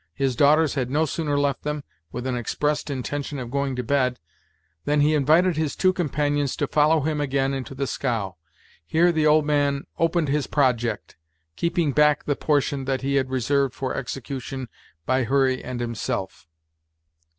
His daughters had no sooner left them, with an expressed intention of going to bed, than he invited his two companions to follow him again into the scow. Here the old man opened his project, keeping back the portion that he had reserved for execution by Hurry and himself.